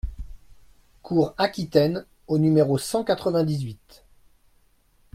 Cours Aquitaine au numéro cent quatre-vingt-dix-huit